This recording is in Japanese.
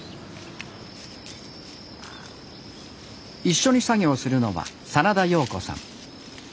一緒に作業するのは真田陽子さん。